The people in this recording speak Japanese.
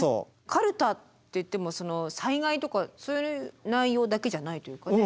かるたっていっても災害とかそういう内容だけじゃないというかね。